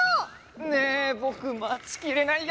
ねえぼくまちきれないよ！